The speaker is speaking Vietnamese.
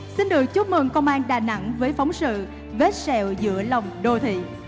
xin được chúc mừng công an đà nẵng với phóng sự vết sẹo giữa lòng đô thị